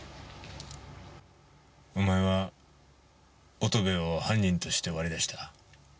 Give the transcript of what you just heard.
お前は乙部を犯人として割り出した。